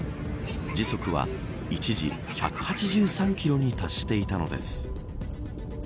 時速は一時１８３キロに達していたのです。